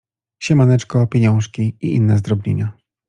Siemaneczko, pieniążki i inne zdrobnienia.